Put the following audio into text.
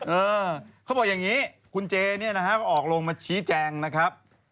เออเขาบอกอย่างนี้คุณเจเนี่ยนะฮะก็ออกลงมาชี้แจงนะครับ